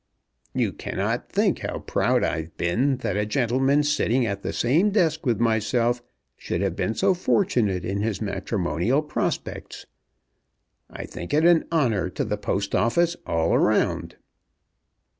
"You cannot think how proud I've been that a gentleman sitting at the same desk with myself should have been so fortunate in his matrimonial prospects. I think it an honour to the Post Office all round."